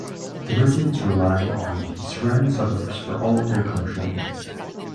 The residents rely on the surrounding suburbs for all their commercial needs.